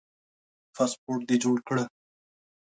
پاسپورټ دي جوړ کړه